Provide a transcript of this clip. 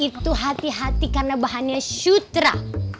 itu hati hati karena bahannya sutra